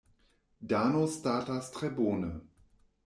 Dano statas tre bone.